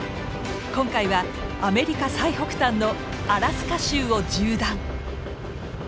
今回はアメリカ最北端のアラスカ州を縦断！